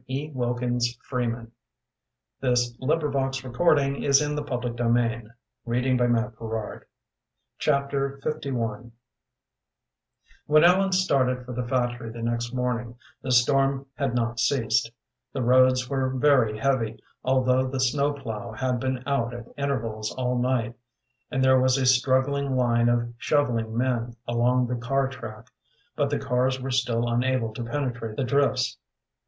"No." "Well, I know what I would do," said Fanny. "I never would give in, if I starved never!" Chapter LI When Ellen started for the factory the next morning the storm had not ceased; the roads were very heavy, although the snow plough had been out at intervals all night, and there was a struggling line of shovelling men along the car track, but the cars were still unable to penetrate the drifts.